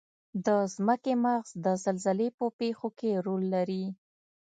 د ځمکې مغز د زلزلې په پیښو کې رول لري.